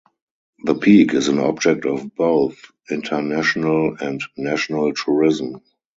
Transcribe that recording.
The peak is an object of both international and national tourism.